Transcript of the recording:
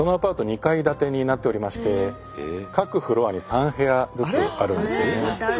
２階建てになっておりまして各フロアに３部屋ずつあるんですよね。